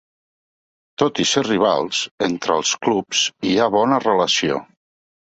Tot i ser rivals, entre els clubs hi ha bona relació.